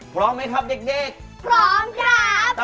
พร้อมไหมครับเด็กพร้อมจ้ะครับพร้อม